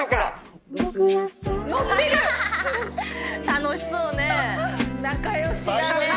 楽しそうね！